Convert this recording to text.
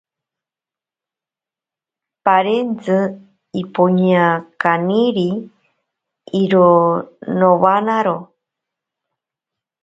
Parentzi ipoña kaniri iro nowanaro.